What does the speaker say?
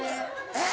えっ？